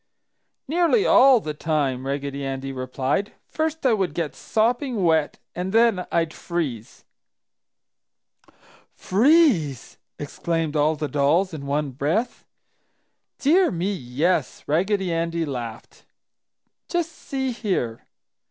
"Nearly all the time!" Raggedy Andy replied. "First I would get sopping wet and then I'd freeze!" "Freeze!" exclaimed all the dolls in one breath. "Dear me, yes!" Raggedy Andy laughed. "Just see here!"